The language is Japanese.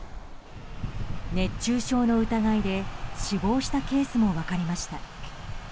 熱中症の疑いで死亡したケースも分かりました。